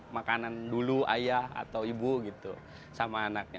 makanan dulu ayah atau ibu gitu sama anaknya